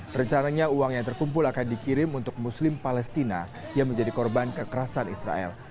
rencananya uang yang terkumpul akan dikirim untuk muslim palestina yang menjadi korban kekerasan israel